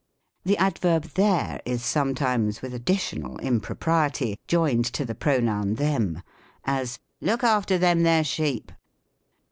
The adverb there, is . sometimes, with additional impropriety, joined to the pronoun the?n : as, " Look after them there sheep."